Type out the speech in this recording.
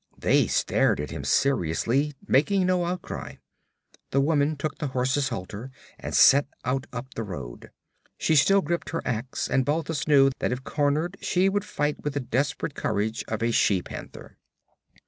They stared at him seriously, making no outcry. The woman took the horse's halter and set out up the road. She still gripped her ax and Balthus knew that if cornered she would fight with the desperate courage of a she panther.